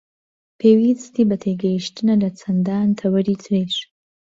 پێویستی بە تێگەیشتنە لە چەندان تەوەری تریش